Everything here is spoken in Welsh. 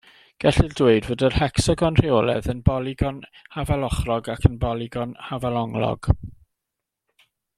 Gellir dweud fod yr hecsagon rheolaidd yn bolygon hafalochrog ac yn bolygon hafalonglog.